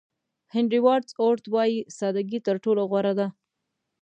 هېنري واډز اورت وایي ساده ګي تر ټولو غوره ده.